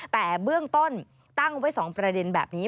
แต่เบื้องต้นตั้งไว้๒ประเด็นแบบนี้